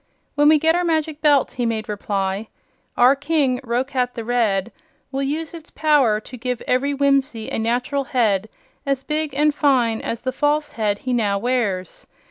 "When we get our Magic Belt," he made reply, "our King, Roquat the Red, will use its power to give every Whimsie a natural head as big and fine as the false head he now wears.